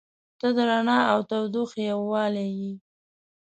• ته د رڼا او تودوخې یووالی یې.